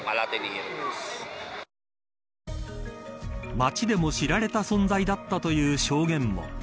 街でも知られた存在だったという証言も。